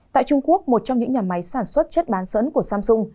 tại trung quốc một trong những nhà máy sản xuất chất bán dẫn của samsung